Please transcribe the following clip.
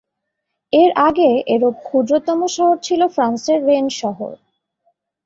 এর আগে এরূপ ক্ষুদ্রতম শহর ছিল ফ্রান্সের রেন শহর।